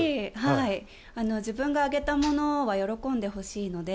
自分があげたものは喜んでほしいので。